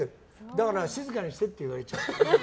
だから、静かにしてって言われちゃう。